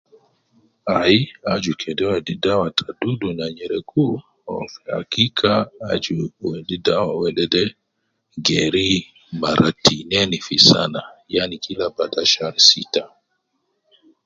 Ai aju kede wedi dawa te dudu na nyereku aju fi hakika aju wedi dawa wedede gerii mara tinein fi sana yani kila baada shar sitta.